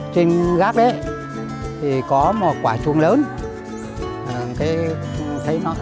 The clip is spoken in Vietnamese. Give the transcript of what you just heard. trên gác đấy thì có một quả chuồng lớn